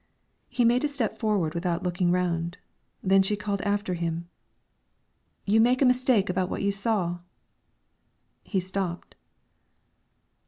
He made a step forward without looking round. Then she called after him. "You make a mistake about what you saw." He stopped.